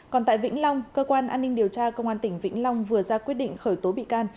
còn tại vĩnh long cơ quan an ninh điều tra công an tỉnh vĩnh long vừa ra quyết định khởi tố bị can